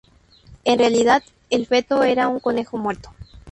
En realidad, el feto era un conejo muerto.